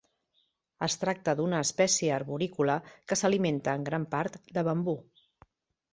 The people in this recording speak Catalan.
Es tracta d'una espècie arborícola que s'alimenta en gran part de bambú.